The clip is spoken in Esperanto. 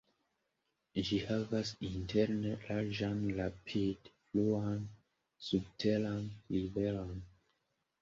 Ĝi havas interne larĝan rapid-fluan subteran riveron.